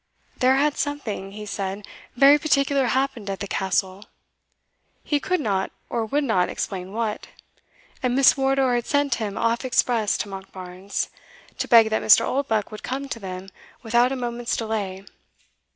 "There had something," he said, "very particular happened at the Castle" (he could not, or would not, explain what) "and Miss Wardour had sent him off express to Monkbarns, to beg that Mr. Oldbuck would come to them without a moment's delay."